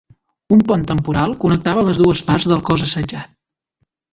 Un pont temporal connectava les dues parts del cos assetjant.